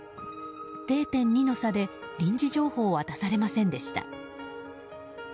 ０．２の差で臨時情報は出されませんでした。